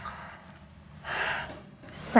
aku tak tahu